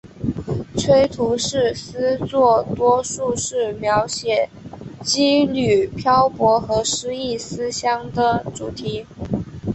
崔涂是诗作多数是描写羁旅漂泊和失意思乡的主题。